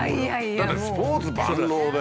だってスポーツ万能で。